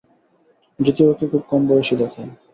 যদিও ওকে খুব কম বয়সী দেখায়।